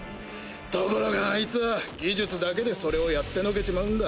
ところがあいつは技術だけでそれをやってのけちまうんだ。